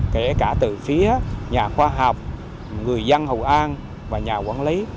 kể cả từ phía nhà khoa học người dân hội an và nhà quản lý